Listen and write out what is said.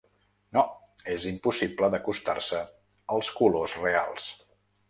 No, és impossible d’acostar-se als colors reals.